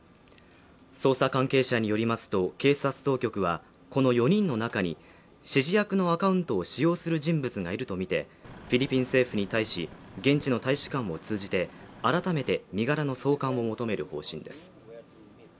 捜査関係者によりますと警察当局はこの４人の中に指示役のアカウントを使用する人物がいるとみてフィリピン政府に対し現地の大使館を通じて改めて身柄の送還を求める方針です